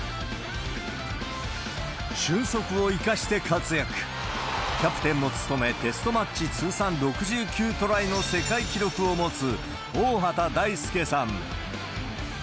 俊足を生かして活躍、キャプテンも務め、テストマッチ通算６９トライの世界記録を持つ大畑大介さん。